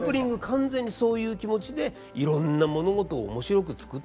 完全にそういう気持ちでいろんな物事を面白く作ってたんですよね。